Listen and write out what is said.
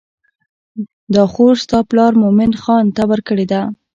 دا خور ستا پلار مومن خان ته ورکړې ده.